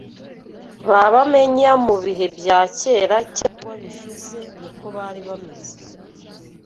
ba bamenya mu bihe bya kera cyangwa bishize niko bari bameze